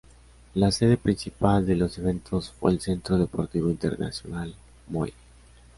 La sede principal de los eventos fue el Centro Deportivo Internacional Moi.